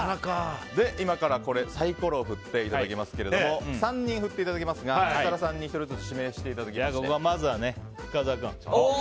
今からサイコロを振っていただきますが３人振っていただきますが設楽さんにまずはね、深澤君。